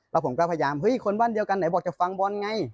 แล้วผมก็พยายามเฮ้ยคนบ้านเดียวกันไหนบอกจะฟังบอลไง